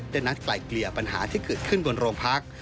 นัดไกลเกลี่ยปัญหาที่เกิดขึ้นบนโรงพัก